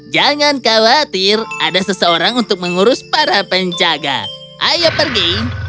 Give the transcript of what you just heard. jangan khawatir ada seseorang untuk mengurus para penjaga ayo pergi